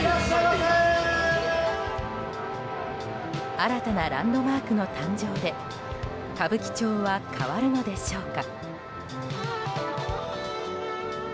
新たなランドマークの誕生で歌舞伎町は変わるのでしょうか。